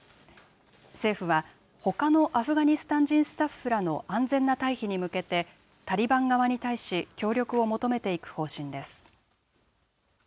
政府は、ほかのアフガニスタン人スタッフらの安全な退避に向けて、タリバン側に対し協力を求めていく方針です。